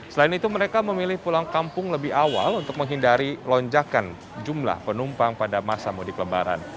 selain itu mereka memilih pulang kampung lebih awal untuk menghindari lonjakan jumlah penumpang pada masa mudik lebaran